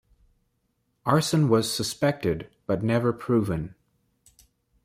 Arson was suspected but never proven.